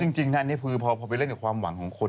จริงอันนี้คือพอไปเล่นกับความหวังของคน